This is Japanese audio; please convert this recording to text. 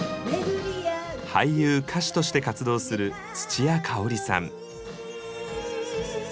俳優・歌手として活動するつちやかおりさん。